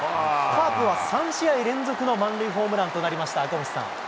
カープは３試合連続の満塁ホームランとなりました、赤星さん。